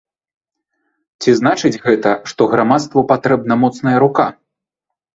Ці значыць гэта, што грамадству патрэбна моцная рука?